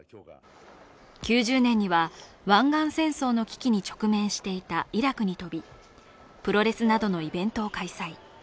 ９０年には、湾岸戦争の危機に直面していたイラクに飛び、プロレスなどのイベントを開催。